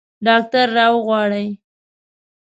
ډاکټر راوغواړئ